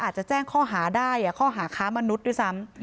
อาจจะแจ้งข้อหาได้ข้อหาค้ามนุษย์ด้วยซ้ำ